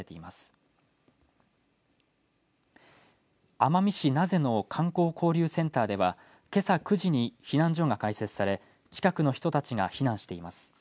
奄美市名瀬の観光交流センターではけさ９時に避難所が開設され近くの人たちが避難しています。